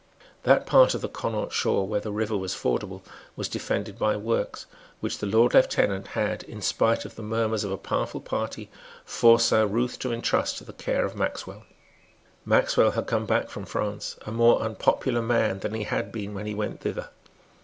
That part of the Connaught shore where the river was fordable was defended by works, which the Lord Lieutenant had, in spite of the murmurs of a powerful party, forced Saint Ruth to entrust to the care of Maxwell. Maxwell had come back from France a more unpopular man than he had been when he went thither.